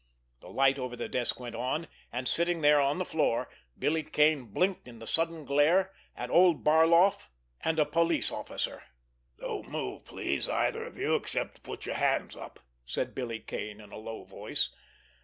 The light over the desk went on, and, sitting there on the floor, Billy Kane blinked in the sudden glare at old Barloff and a police officer. "Don't move, please, either of you, except to put your hands up!" said Billy Kane in a low voice.